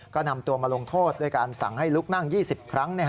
ก็นำตัวมาลงโทษด้วยการสั่งให้ลุกนั่ง๒๐ครั้ง